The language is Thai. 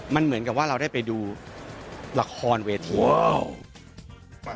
มันเหมือนกับว่าเราได้ไปดูละครเวที